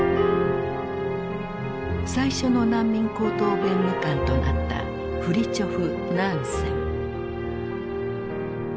最初の難民高等弁務官となったフリチョフ・ナンセン。